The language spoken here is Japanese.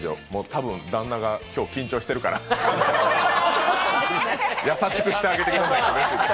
多分、旦那が今日緊張してるから優しくしてあげてくださいと。